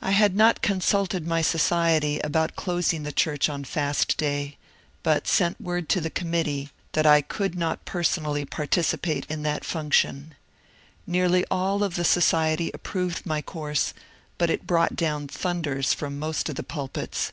I had not consulted my society about closing the church on Fast Day, but sent word to the committee that I could not 198 MONCUBE DANIEL C50NWAT personally participate in that function. Nearly all of the society approved my coarse, but it brought dovm thunders from most of the pulpits.